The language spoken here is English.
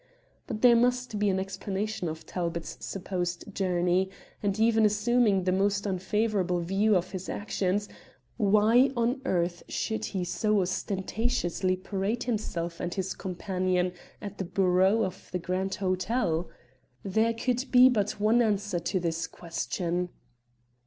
But there must be an explanation of Talbot's supposed journey, and, even assuming the most unfavourable view of his actions, why on earth should he so ostentatiously parade himself and his companion at the bureau of the Grand Hotel? There could be but one answer to this question.